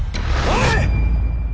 おい！